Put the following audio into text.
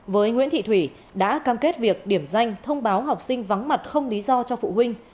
với nguyễn thị thủy đã cam kết việc điểm danh thông báo học sinh vắng mặt không lý do cho phụ huynh